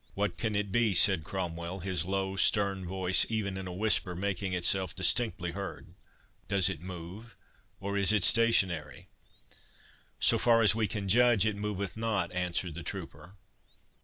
"What can it be?" said Cromwell, his low stern voice, even in a whisper, making itself distinctly heard. "Does it move, or is it stationary?" "So far as we can judge, it moveth not," answered the trooper.